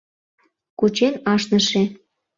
Кучен ашныше!..